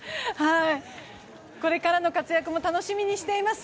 これからの活躍も期待しています。